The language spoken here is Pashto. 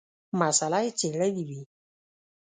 مساله یې څېړلې وي.